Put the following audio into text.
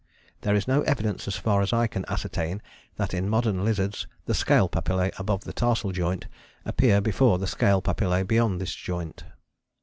There is no evidence as far as I can ascertain that in modern lizards the scale papillae above the tarsal joint appear before the scale papillae beyond this joint.